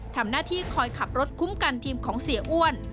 ทำหน้าที่คอยขับรถคุ้มกันทีมของเสียอ้วน